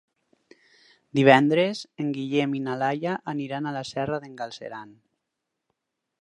Divendres en Guillem i na Laia aniran a la Serra d'en Galceran.